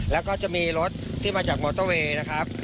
แล้วก็จะมีรถที่มาจากมอเตอร์เวย์นะครับ